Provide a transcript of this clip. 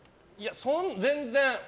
全然。